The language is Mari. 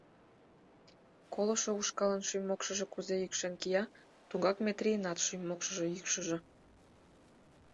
Колышо ушкалын шӱм-мокшыжо кузе йӱкшен кия, тугак Метрийынат шӱм-мокшыжо йӱкшыжӧ!